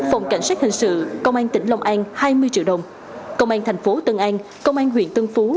phòng cảnh sát hình sự công an tỉnh long an hai mươi triệu đồng công an thành phố tân an công an huyện tân phú